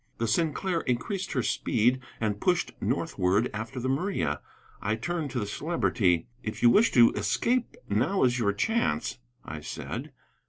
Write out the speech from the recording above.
The Sinclair increased her speed and pushed northward after the Maria. I turned to the Celebrity. "If you wish to escape, now is your chance," I said.